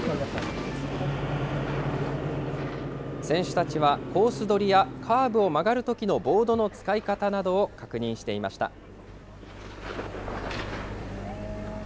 選手たちはコース取りやカーブを曲がるときのボードの使い方などを確認していました。